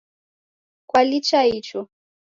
Kwaliw'a icho